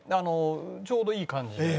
ちょうどいい感じで。